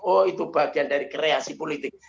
oh itu bagian dari kreasi politik